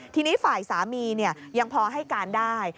ทีนี้ฝ่ายสามียังพอให้การได้